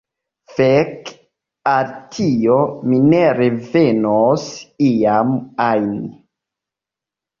Fek al tio, mi ne revenos iam ajn!